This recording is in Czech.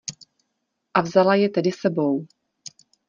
A vzala je tedy s sebou.